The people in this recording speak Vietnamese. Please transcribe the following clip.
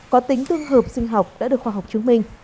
có tính tương hợp sinh học đã được khoa học chứng minh